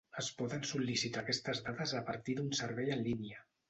Es poden sol·licitar aquestes dades a partir d'un servei en línia.